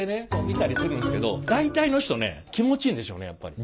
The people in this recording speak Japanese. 見たりするんですけど大体の人ね気持ちいいんでしょうねやっぱり。